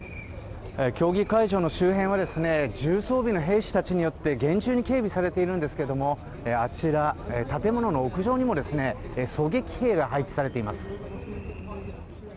協議会場の周辺は重装備の兵士たちによって厳重に警備されているんですけどあちら建物の屋上にも狙撃兵が配置されています。